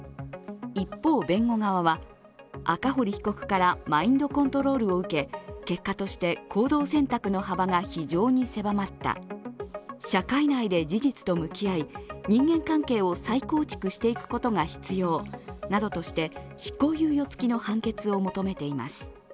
一方、弁護側は、赤堀被告からマインドコントロールを受け結果として行動選択の幅が非常に狭まった、社会内で事実と向き合い人間関係を再構築していくことが必要などとして執行猶予つきの判決を求めています。